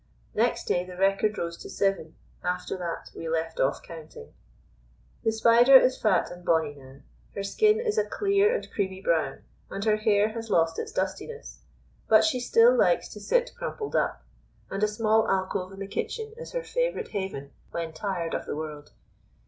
Next day the record rose to seven; after that we left off counting. The Spider is fat and bonnie now. Her skin is a clear and creamy brown, and her hair has lost its dustiness; but she still likes to sit crumpled up, and a small alcove in the kitchen is her favourite haven when tired of the world.